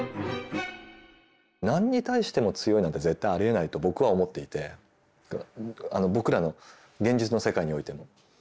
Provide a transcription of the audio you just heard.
何に対しても強いなんて絶対ありえないと僕は思っていて僕らの現実の世界においても。